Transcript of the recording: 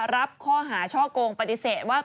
รับข้อหาช่อกงปฏิเสธว่า